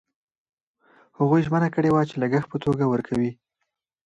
هغوی ژمنه کړې وه چې لګښت په توګه ورکوي.